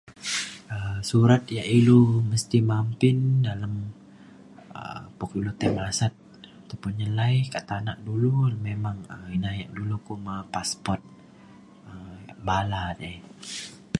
um surat ia' ilu mesti mampin dalem um bok ulu tai masat ataupun nyelai ka tana dulu memang um ina ia' kuma passport um bala dai